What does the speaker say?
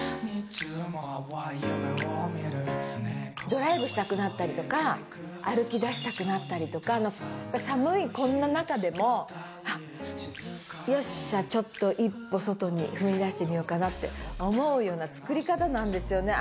ドライブしたくなったりとか歩き出したくなったりとか寒い、こんな中でもよっしゃ、ちょっと一歩外に踏み出してみようかなって思うような作り方なんですよね。